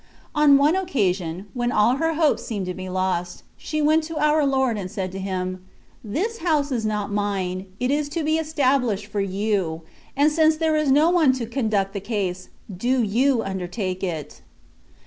On one occasion, when all her hopes seemed to be lost, she went to our Lord and said to Him, " This house is not mine ; it is to be established for you, and since there is no one to con duct the case, do you undertake it."